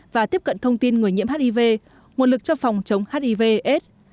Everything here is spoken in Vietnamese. và tiếp cận thông tin người nhiễm hiv nguồn lực cho phòng chống hiv aids